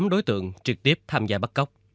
tám đối tượng trực tiếp tham gia bắt cóc